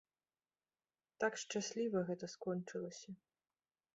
Так шчасліва гэта скончылася.